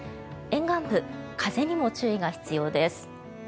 沿岸部、風にも注意が必要です。